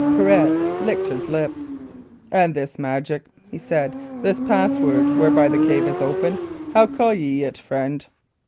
Pirret licked his lips. "And this magic," he said "this password, whereby the cave is opened how call ye it, friend?"